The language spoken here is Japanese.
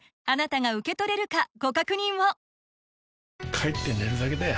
帰って寝るだけだよ